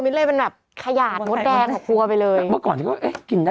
ไม่ได้เป็นแบบขยาตรมดแดงของครัวไปเลย